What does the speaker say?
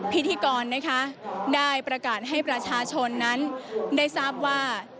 พิธีกรนะคะได้ประกาศให้ประชาชนนั้นได้ทราบว่า